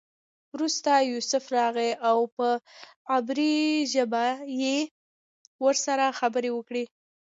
وروسته یوسف راغی او په عبري ژبه یې ورسره خبرې وکړې.